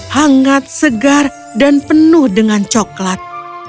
hangat segar dan penuh dengan coklat